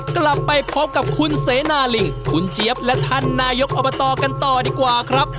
กลับไปพบกับคุณเสนาลิงคุณเจี๊ยบและท่านนายกอบตกันต่อดีกว่าครับ